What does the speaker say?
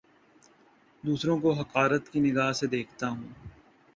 دوسروں کو حقارت کی نگاہ سے دیکھتا ہوں